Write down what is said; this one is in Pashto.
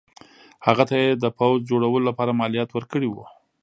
هغه ته یې د پوځ جوړولو لپاره مالیات ورکړي وو.